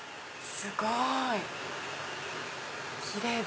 すごい！